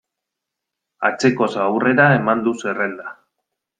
Atzekoz aurrera eman du zerrenda.